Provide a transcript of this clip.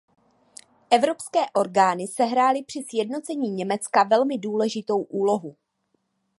Evropské orgány sehrály při sjednocení Německa velmi důležitou úlohu.